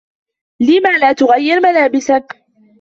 لم لا تغيّر ملابسك؟